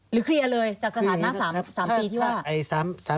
เคลียร์เลยจากสถานะ๓ปีที่ว่า